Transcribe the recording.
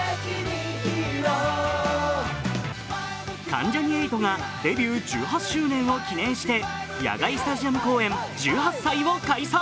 関ジャニ∞がデビュー１８周年を記念して野外スタジアム公演１８祭を開催。